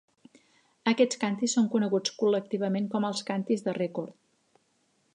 Aquests càntirs són coneguts col·lectivament com els càntirs de rècord.